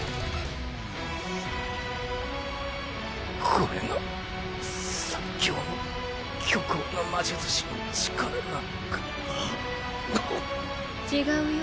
これが最強の虚構の魔術師の力なのか違うよ